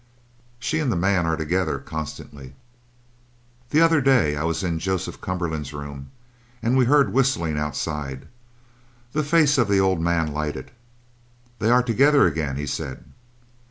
"She and the man are together constantly. The other day I was in Joseph Cumberland's room and we heard whistling outside. The face of the old man lighted, 'They are together again,' he said.